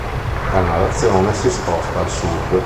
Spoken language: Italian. La narrazione si sposta al sud.